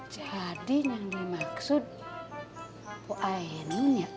jadi yang dimaksud pok ainunya